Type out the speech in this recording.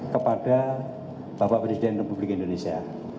kepada bapak presiden republik indonesia